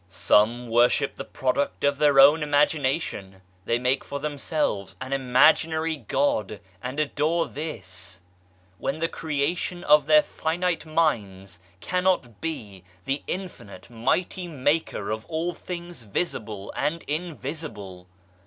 Some worship the product of their own imagination : they make for themselves an imaginary God and adore this, when the creation of their finite minds cannot be the Infinite Mighty Maker of all things visible and invisible